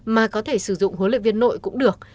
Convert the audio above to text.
mà có thể sử dụng huấn luyện viên nội cũng được